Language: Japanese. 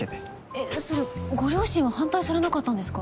えっそれご両親は反対されなかったんですか？